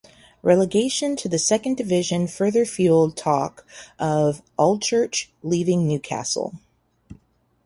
Relegation to the Second Division further fueled talk of Allchurch leaving Newcastle.